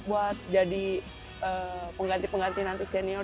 buat jadi pengganti pengganti nanti senior